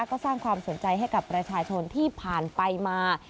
ก็สร้างความสนใจให้กับประชาชนที่ผ่านไปมา